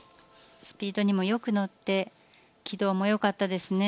スピードにもよく乗って軌道もよかったですね。